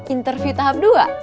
interview tahap dua